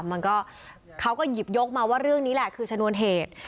มันก็เขาก็หยิบยกมาว่าเรื่องนี้แหละคือชนวนเหตุ